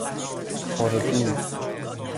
اُردی